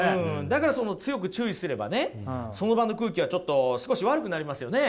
だからその強く注意すればねその場の空気はちょっと少し悪くなりますよね？